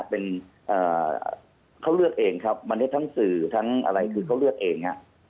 เป็นเขาเลือกเองครับวันนี้ทั้งสื่อทั้งอะไรคือเขาเลือกเอง